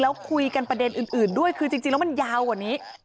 แล้วคุยกันประเด็นอื่นด้วยคือจริงแล้วมันยาวกว่านี้